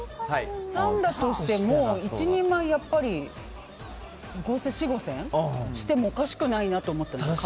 ３だとしても１人前、やっぱり４０００５０００円してもおかしくないなと思って、鴨。